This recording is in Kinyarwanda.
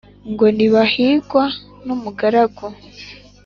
ngo ntibahigwa n’umugaragu.